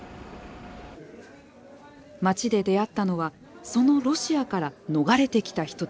街で出会ったのはそのロシアから逃れてきた人たち。